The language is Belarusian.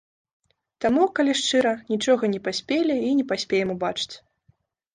Таму, калі шчыра, нічога не паспелі і не паспеем убачыць.